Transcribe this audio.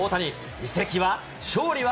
移籍は、勝利は。